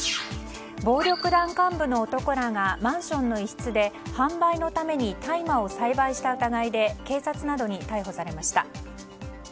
暴力団幹部の男らがマンションの一室で販売のために大麻を栽培した疑いで警察などに逮捕されました。